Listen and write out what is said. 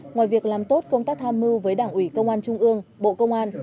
ngoài việc làm tốt công tác tham mưu với đảng ủy công an trung ương bộ công an